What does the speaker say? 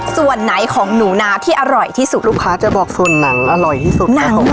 ส่วนไหนของหนูนาที่อร่อยที่สุดลูกค้าจะบอกส่วนหนังอร่อยที่สุดหนังเหรอหนัง